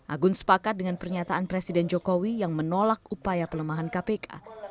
agun sepakat dengan pernyataan presiden jokowi yang menolak upaya pelemahan kpk